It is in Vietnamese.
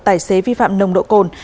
tài xế vi phạm nông độ cồn